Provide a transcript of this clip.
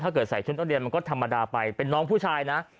ใส่ชุดนักเรียนมันก็ธรรมดาไปเป็นน้องผู้ชายนะ